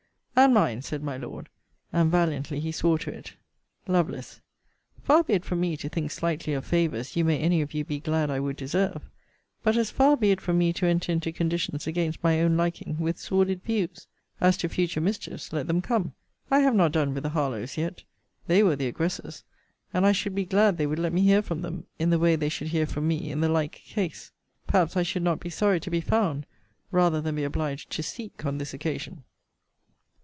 And mine, said my Lord: and valiantly he swore to it. Lovel. Far be it from me to think slightly of favours you may any of you be glad I would deserve! but as far be it from me to enter into conditions against my own liking, with sordid views! As to future mischiefs, let them come. I have not done with the Harlowes yet. They were the aggressors; and I should be glad they would let me hear from them, in the way they should hear from me in the like case. Perhaps I should not be sorry to be found, rather than be obliged to seek, on this occasion.